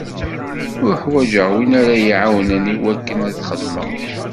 Uḥwaǧeɣ win ara yi-iɛawnen i wakken ad t-xedmeɣ.